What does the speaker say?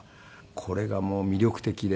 これがもう魅力的で。